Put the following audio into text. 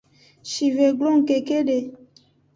Shive glong kekede.